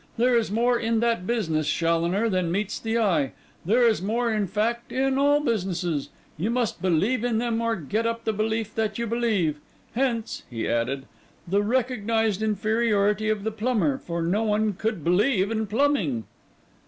There is more in that business, Challoner, than meets the eye; there is more, in fact, in all businesses. You must believe in them, or get up the belief that you believe. Hence,' he added, 'the recognised inferiority of the plumber, for no one could believe in plumbing.